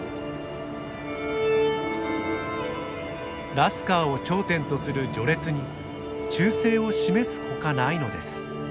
ラスカーを頂点とする序列に忠誠を示すほかないのです。